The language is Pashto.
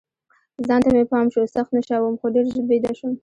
ځان ته مې پام شو، سخت نشه وم، خو ډېر ژر بیده شوم.